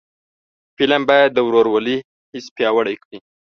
فلم باید د ورورولۍ حس پیاوړی کړي